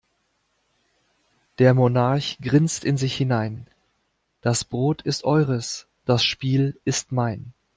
Der Monarch grinst in sich hinein: Das Brot ist eures, das Spiel ist mein.